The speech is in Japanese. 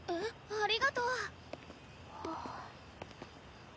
ありがとう。あっ。